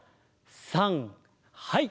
さんはい！